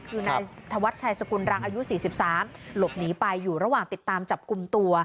คือนายธวัชชัยสกุลรังอายุ๔๓หลบหนีไปอยู่ระหว่างติดตามจับกลุ่มตัว